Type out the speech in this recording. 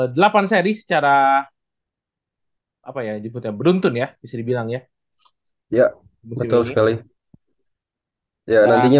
delapan seri secara apa ya jeput yang beruntun ya bisa dibilang ya ya betul sekali ya nantinya